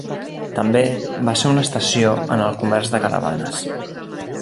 També va ser una estació en el comerç de caravanes.